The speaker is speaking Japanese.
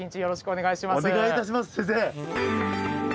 お願いいたします先生。